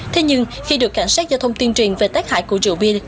thế nhưng khi được cảnh sát giao thông tuyên truyền về tác hại của rượu bia